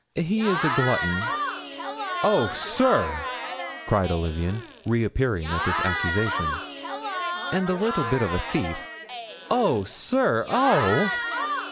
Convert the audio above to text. "He is a glutton." "Oh, sir!" cried Olivain, reappearing at this accusation. "And a little bit of a thief." "Oh, sir! oh!"